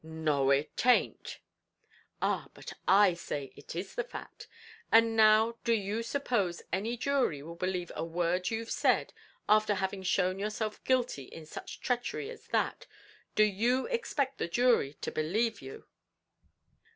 "No, it a'nt." "Ah, but I say it is the fact; and now do you suppose any jury will believe a word you've said, after having shown yourself guilty of such treachery as that. Do you expect the jury to believe you?"